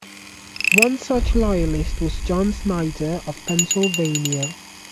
One such Loyalist was John Snider of Pennsylvania.